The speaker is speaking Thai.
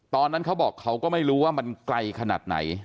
เขาบอกเขาก็ไม่รู้ว่ามันไกลขนาดไหน